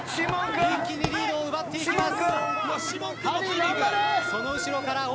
一気にリードを奪っていきます。